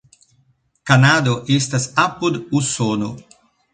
Kanado estas apud Usono.